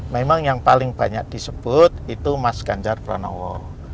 memang yang paling banyak disebut itu mas ganjar pranowo